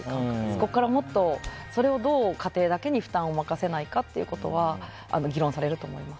ここからそれをどう家庭だけに負担を任せないかということは議論されると思います。